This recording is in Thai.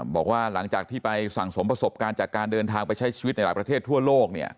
บอกว่าหลังจากที่ไปสั่งสมประสบการณ์จากการเดินทางไปใช้ชีวิตในหลายประเทศทั่วโลก